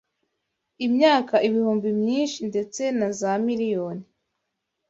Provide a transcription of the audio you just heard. imyaka ibihumbi byinshi ndetse na za miliyoni.